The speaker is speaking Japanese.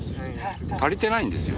足りていないんですよ